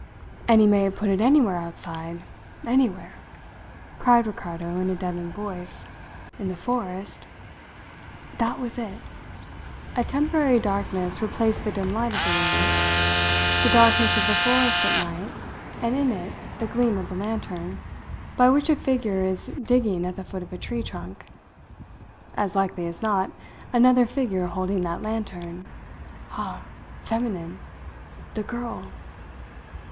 "And he may have put it anywhere outside anywhere!" cried Ricardo in a deadened voice, "in the forest " That was it! A temporary darkness replaced the dim light of the room. The darkness of the forest at night and in it the gleam of a lantern, by which a figure is digging at the foot of a tree trunk. As likely as not, another figure holding that lantern ha, feminine! The girl!